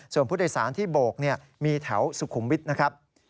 ส่วนผู้โดยสารที่โบกมีแถวสุขุมวิทย์นะครับ